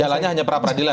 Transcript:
jalannya hanya prapradilan